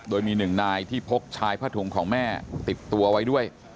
โดยมีหนึ่งนายที่พกชายผ้าถุงของแม่ติดตัวไว้ด้วย